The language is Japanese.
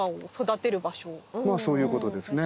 まあそういうことですね。